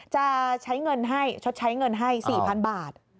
จะใช้เงินให้๔๐๐๐บาท